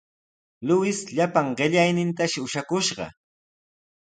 Luis llapan qellaynintashi ushaskishqa.